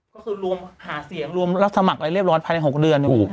ก็คือรวมหาเสียงรวมรับสมัครอะไรเรียบร้อยภายใน๖เดือน